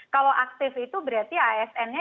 kalau aktif itu berarti asnnya